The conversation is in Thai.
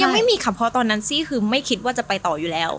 ไม่มีค่ะเพราะตอนนั้นซี่คือไม่คิดว่าจะไปต่ออยู่แล้ว